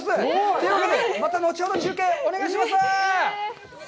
というわけで、また後ほど中継、お願いします！